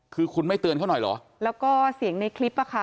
คือคุณไม่เตือนเขาหน่อยเหรอแล้วก็เสียงในคลิปอ่ะค่ะ